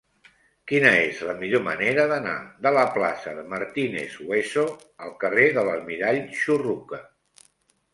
Quina és la millor manera d'anar de la plaça de Martínez Hueso al carrer de l'Almirall Churruca?